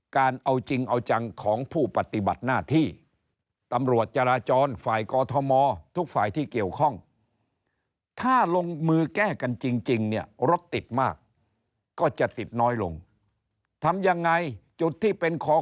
การเอาจริงเอาจังของผู้ปฏิบัติหน้าที่